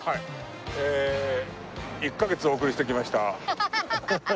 え１カ月お送りしてきました